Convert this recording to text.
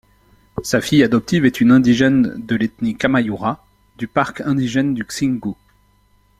Sa fille adoptive est une indigène de l’ethnie Kamayurá, du Parque Indigène du Xingu.